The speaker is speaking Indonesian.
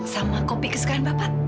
sama kopi kesukaan bapak